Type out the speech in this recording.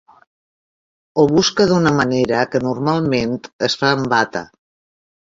Ho busca d'una manera que normalment es fa amb bata.